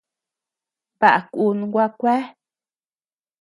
Baʼa kun gua kuea.